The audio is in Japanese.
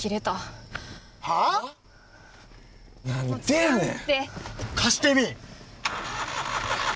何でやねん！